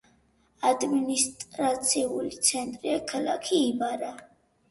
ადმინისტრაციული ცენტრია ქალაქი იბარა.